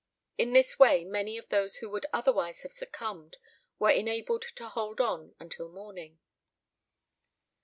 In this way many of those who would otherwise have succumbed were enabled to hold on until morning.